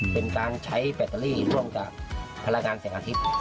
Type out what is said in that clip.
เป็นการใช้แบตเตอรี่ร่วมกับพลังการแสงอาทิตย์